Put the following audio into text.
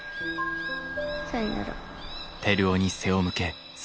さいなら。